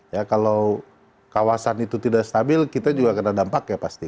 ya kalau kawasan itu tidak stabil kita juga kena dampak ya pasti